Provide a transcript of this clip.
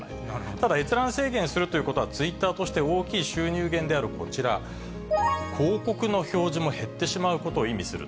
ただ閲覧制限するということは、ツイッターとして大きい収入源であるこちら、広告の表示も減ってしまうことを意味する。